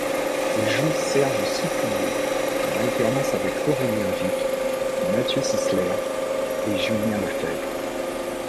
Il joue Serge Souplier en alternance avec Aurélien Wiik, Mathieu Sissler et Julien Lefèbvre.